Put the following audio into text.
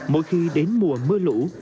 mỗi khi đến mùa mưa lũ